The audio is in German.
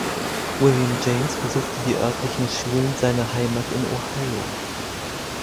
William James besuchte die örtlichen Schulen seiner Heimat in Ohio.